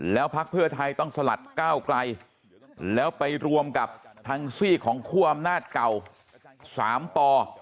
แล้วพักเพื่อไทยต้องสลัดก้าวไกลแล้วไปรวมกับทางซีกของคั่วอำนาจเก่า๓ป